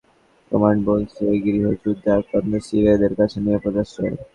যুক্তরাষ্ট্র সেনাবাহিনীর central command বলছে, গৃহযুদ্ধে আক্রান্ত সিরিয়া এদের কাছে নিরাপদ আশ্রয়।